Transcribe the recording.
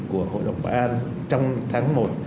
của hội đồng bảo an trong tháng một